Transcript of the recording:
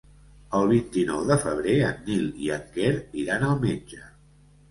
El vint-i-nou de febrer en Nil i en Quer iran al metge.